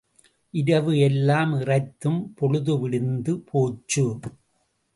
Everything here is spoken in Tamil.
இரவு எல்லாம் இறைத்தும் பொழுது விடிந்து போச்சு.